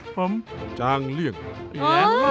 พอเลี่ยงไปอีกแล้ว